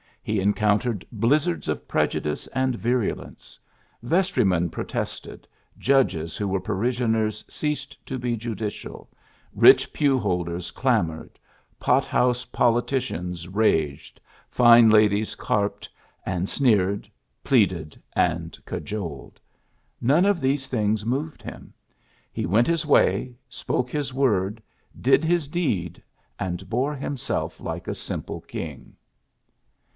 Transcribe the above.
He encountered blizzards of prejudice and virulence. Vestrymen protested, judges who were parishioners ceased to be judicial, rich pew holders clamored, pot house poli ticians raged, fine ladies carped and sneered, pleaded and cajoled. None of these things moved him. He went his way, spoke his word, did his deed, and bore himself like a simple king."